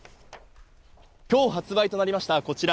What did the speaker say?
今日発売となりました